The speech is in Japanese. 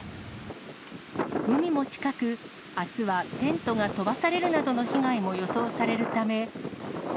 海も近く、あすはテントが飛ばされるなどの被害も予想されるため。